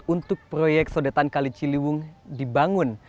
untuk proyek sodetan kali ciliwung dibangun